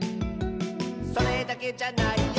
「それだけじゃないよ」